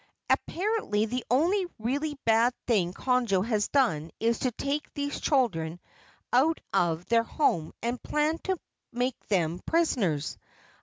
"Apparently the only really bad thing Conjo has done is to take these children out of their home and plan to make them prisoners.